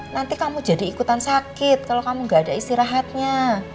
nanti kamu jadi ikutan sakit kalau kamu gak ada istirahatnya